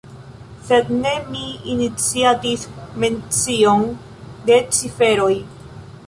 Sed ne mi iniciatis mencion de ciferoj.